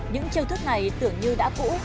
những chiêu thức này tưởng như đã cũ